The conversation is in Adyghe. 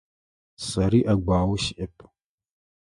Сэри ӏэгуао сиӏэп.